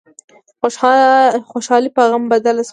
خوشحالي په غم بدله شوه.